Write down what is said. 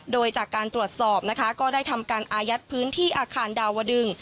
โดยจากการตรวจสอบนะคะก็ได้ทำการอายัดพื้นที่อาคารดาวดึง